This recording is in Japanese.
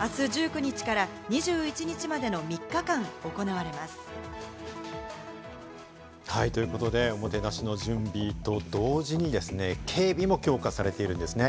あす１９日から２１日までの３日間、行われます。ということで、おもてなしの準備と同時に警備も強化されているんですね。